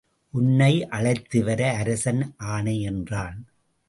உன்னை அழைத்து வர அரசன் ஆணை என்றான்.